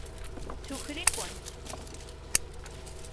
Tuker-ikent.